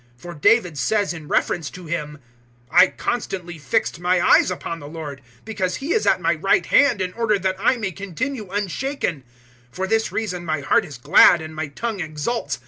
002:025 For David says in reference to Him, "`I constantly fixed my eyes upon the Lord, because He is at my right hand in order that I may continue unshaken. 002:026 For this reason my heart is glad and my tongue exults.